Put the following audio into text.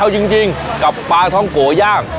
ชุดเล็ก๕๐บาทครับ